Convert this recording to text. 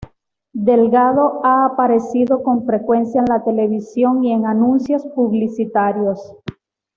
Delgado ha aparecido con frecuencia en la televisión y en anuncios publicitarios.